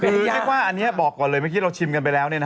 คือเรียกว่าอันนี้บอกก่อนเลยเมื่อกี้เราชิมกันไปแล้ว